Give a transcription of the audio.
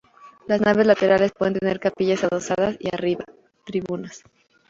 Las naves laterales pueden tener capillas adosadas y arriba, tribunas.